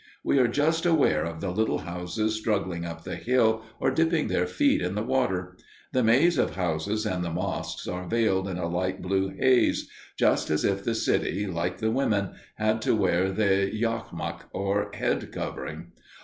We are just aware of the little houses straggling up the hill or dipping their feet in the water. The maze of houses and the mosques are veiled in a light blue haze, just as if the city, like the women, had to wear the yachmak, or head covering.